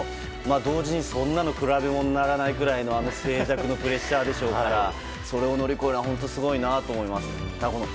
同時にそんなの比べ物にならないぐらいのプレッシャーでしょうからそれを乗り越えるのは本当にすごいなと思います。